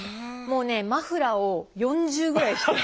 もうねマフラーを４重ぐらいして。